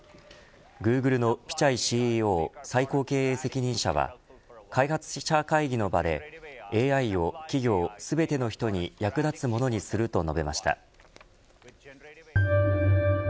グーグルのピチャイＣＥＯ最高経営責任者は開発者会議の場でＡＩを企業全ての人に役立つものにすると述べました。